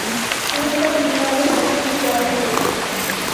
ஊக்கமில்லாத நசிவு வாழ்க்கை!